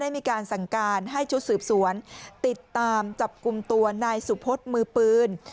มีการสั่งการให้ชุดสืบสวนติดตามจับกลุ่มตัวนายสุพศมือปืน